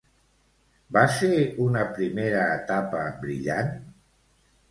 Va ser una primera etapa brillant?